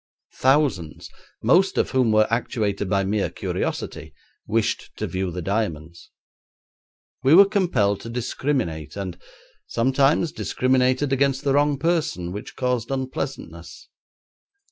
Thousands, most of whom were actuated by mere curiosity, wished to view the diamonds. We were compelled to discriminate, and sometimes discriminated against the wrong person, which caused unpleasantness.